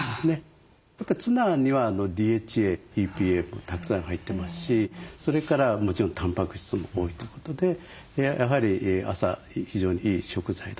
やっぱりツナにはＤＨＡＥＰＡもたくさん入ってますしそれからもちろんタンパク質も多いということでやはり朝非常にいい食材だと思いますね。